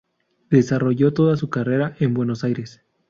Desarrolló toda su carrera en Buenos Aires.